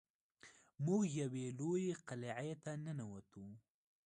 موږ یوې لویې قلعې ته ننوتو.